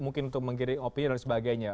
mungkin untuk menggiring opini dan sebagainya